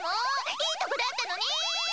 いいとこだったのに！